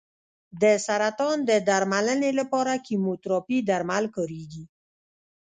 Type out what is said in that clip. د سرطان د درملنې لپاره کیموتراپي درمل کارېږي.